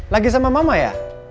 lagi sama mama ya